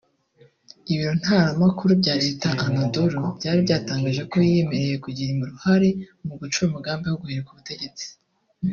Ibiro ntaramakuru bya Leta Anadolu byari byatangaje ko yiyemereye kugira uruhare mu gucura umugambi wo guhirika ubutegetsi